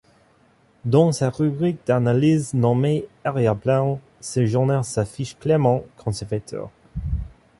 Dans sa rubrique d'analyse, nommée Arrière-plan, ce journal s'affiche clairement conservateur.